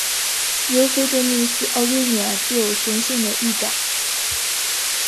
“ Euphydryas aurinia” 具有雄性的翼展。